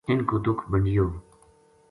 اِنھ کو دُکھ بنڈیو